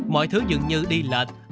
mọi thứ dường như đi lệch